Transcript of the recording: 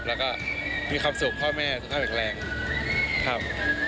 แล้วก็มีความสุขพ่อแม่สุขภาพแข็งแรงครับ